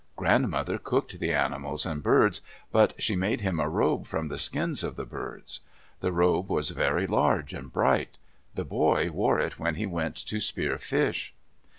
Grandmother cooked the animals and birds, but she made him a robe from the skins of the birds. The robe was very large and bright. The boy wore it when he went to spear fish.